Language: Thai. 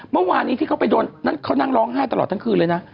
เมื่อวานี้ที่เขาไปโดนนั่นเขานั่งร้องไห้ตลอดทั้งคืนเลยนะ